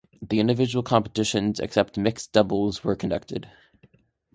The individual competitions except Mixed doubles were conducted.